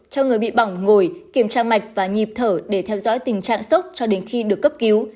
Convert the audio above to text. cho người bị bỏng ngồi kiểm tra mạch và nhịp thở để theo dõi tình trạng sốc cho đến khi được cấp cứu